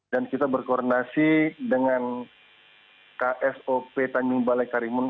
dan kita berkoordinasi dengan ksop tanjung balai karimun